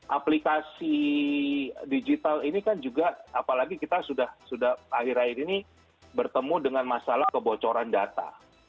aplikasi digital ini kan juga apalagi kita sudah akhir akhir ini bertemu dengan masalah kebocoran data